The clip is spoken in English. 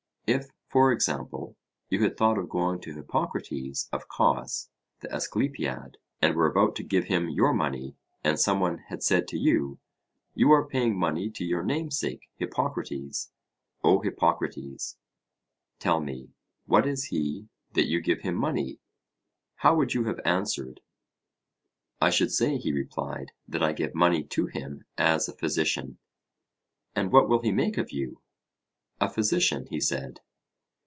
If, for example, you had thought of going to Hippocrates of Cos, the Asclepiad, and were about to give him your money, and some one had said to you: You are paying money to your namesake Hippocrates, O Hippocrates; tell me, what is he that you give him money? how would you have answered? I should say, he replied, that I gave money to him as a physician. And what will he make of you? A physician, he said.